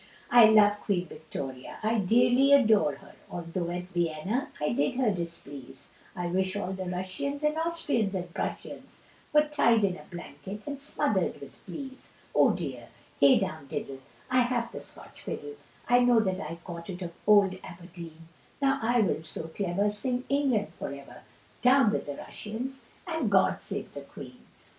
I love Queen Victoria, I dearly adore her, Although at Vienna I did her displease; I wish all the Russians and Austrians and Prussians Were tied in a blanket, and smothered with fleas. Oh dear, hey down diddle, I have the Scotch fiddle, I know that I caught it of old Aberdeen, Now I will so clever sing England for ever, Down with the Russians, and God save the Queen.